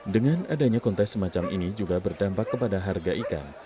dengan adanya kontes semacam ini juga berdampak kepada harga ikan